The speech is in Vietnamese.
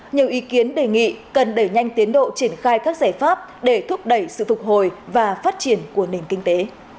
nhiều ý kiến đề nghị cần đẩy nhanh tiến độ triển khai các giải pháp để thúc đẩy sự phục hồi và phát triển của nền kinh tế